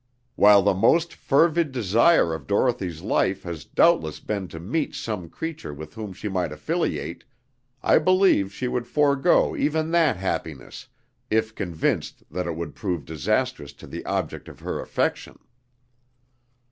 While the most fervid desire of Dorothy's life has doubtless been to meet some creature with whom she might affiliate, I believe she would forego even that happiness if convinced that it would prove disastrous to the object of her affection."